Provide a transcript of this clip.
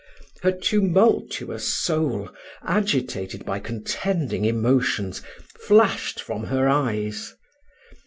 Her tumultuous soul, agitated by contending emotions, flashed from her eyes.